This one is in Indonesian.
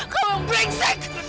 kamu yang beriksik